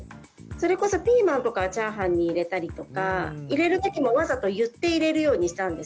それこそピーマンとかはチャーハンに入れたりとか入れる時もわざと言って入れるようにしたんですね。